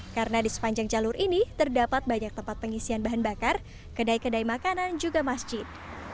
karena di sepanjang jalur ini terdapat banyak tempat pengisian bahan bakar kedai kedai makanan juga masjid